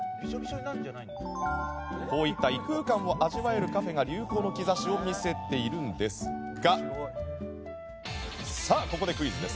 こういった異空間を味わえるカフェが流行の兆しを見せているんですがさあ、ここでクイズです。